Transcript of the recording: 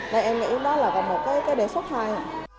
nên em nghĩ đó là còn một cái đề xuất hay